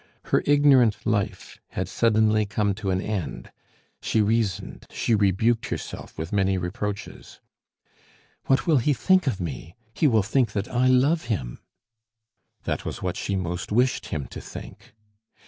Her ignorant life had suddenly come to an end; she reasoned, she rebuked herself with many reproaches. "What will he think of me? He will think that I love him!" That was what she most wished him to think.